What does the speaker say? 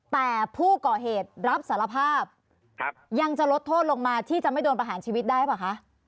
แต่ผู้ก่อเหตุรับสารภาพยังจะลดโทษลงมาที่จะไม่โดนประหารชีวิตได้หรือเปล่าคะ